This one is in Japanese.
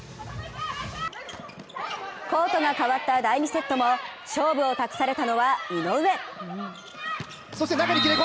コートが変わった第２セットも勝負を託されたのは井上。